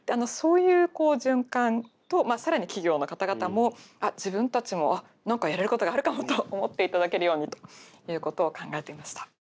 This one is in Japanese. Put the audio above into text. そういう循環と更に企業の方々も自分たちも何かやれることがあるかもと思っていただけるようにということを考えてみました。